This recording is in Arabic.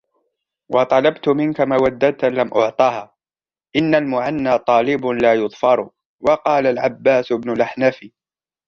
وَطَلَبْت مِنْك مَوَدَّةً لَمْ أُعْطَهَا إنَّ الْمُعَنَّى طَالِبٌ لَا يَظْفَرُ وَقَالَ الْعَبَّاسُ بْنُ الْأَحْنَفِ